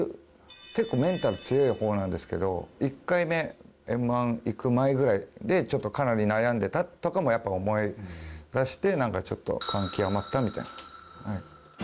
結構メンタル強い方なんですけど１回目Ｍ−１行く前ぐらいでちょっとかなり悩んでたとかもやっぱ思い出してなんかちょっと感極まったみたいな。